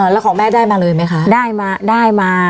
แล้วแม่ได้มาเลยไหมคะ